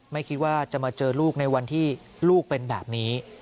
ไม่คิดว่าจะมาเจอลูกในวันที่ลูกเป็นแบบนี้